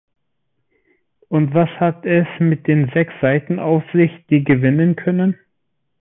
Und was hat es mit den sechs Seiten auf sich, die gewinnen können?